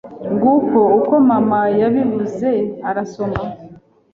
Nguko uko mama yabivuze aransoma